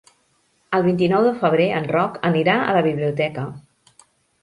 El vint-i-nou de febrer en Roc anirà a la biblioteca.